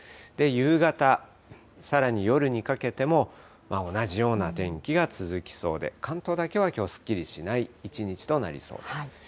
夕方、さらに夜にかけても、同じような天気が続きそうで、関東だけはきょう、すっきりしない一日となりそうです。